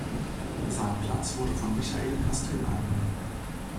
Sein Platz wurde von Michael Kastel eingenommen.